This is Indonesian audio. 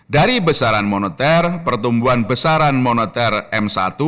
dari besaran moneter pertumbuhan besaran moneter m satu